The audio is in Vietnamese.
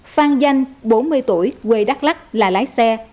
phan danh bốn mươi tuổi quê đắk lắc là lái xe